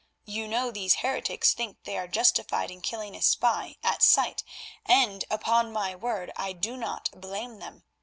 You know these heretics think that they are justified in killing a spy at sight, and, upon my word, I do not blame them.